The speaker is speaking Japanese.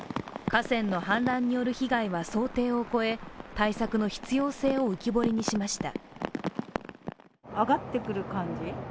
河川の氾濫による被害は想定を超え対策の必要性を浮き彫りにしました。